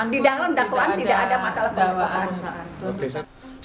di dalam dakwaan tidak ada masalah